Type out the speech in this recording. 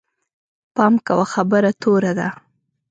پام کوه، خبره توره ده